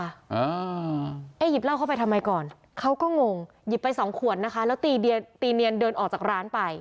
อ่าเอ๊ะหยิบเหล้าเข้าไปทำไมก่อนเขาก็งงหยิบไปสองขวดนะคะแล้วตีตีเนียนเดินออกจากร้านไป